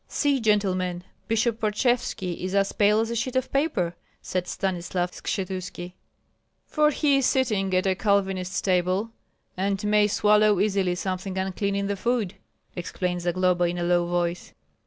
"See, gentlemen, Bishop Parchevski is as pale as a sheet of paper!" said Stanislav Skshetuski. "For he is sitting at a Calvinist table, and may swallow easily something unclean in the food," explained Zagloba, in a low voice.